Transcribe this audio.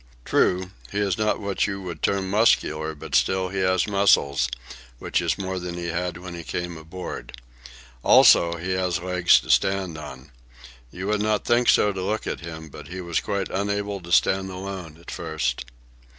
True, he is not what you would term muscular, but still he has muscles, which is more than he had when he came aboard. Also, he has legs to stand on. You would not think so to look at him, but he was quite unable to stand alone at first."